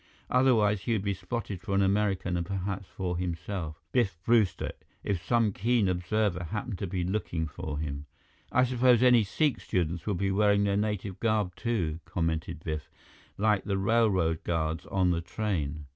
Otherwise he would be spotted for an American and perhaps for himself, Biff Brewster, if some keen observer happened to be looking for him. "I suppose any Sikh students will be wearing their native garb, too," commented Biff, "like the railroad guards on the train.